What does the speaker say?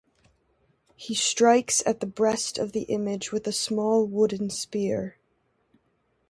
He strikes at the breast of the image with a small wooden spear.